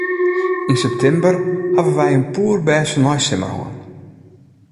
Yn septimber hawwe wy in poerbêste neisimmer hân.